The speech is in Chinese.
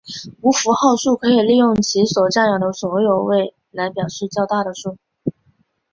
无符号数可以利用其所占有的所有位来表示较大的数。